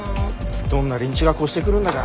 どんな連中が越してくるんだか。